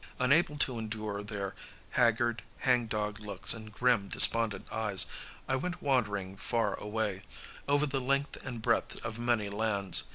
Unable to endure their haggard, hangdog looks and grim, despondent eyes, I went wandering far away, over the length and breadth of many lands.